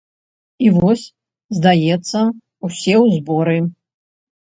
І вось, здаецца, усе ў зборы!